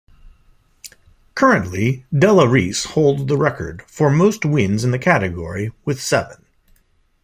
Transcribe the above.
Currently, Della Reese holds the record for most wins in the category with seven.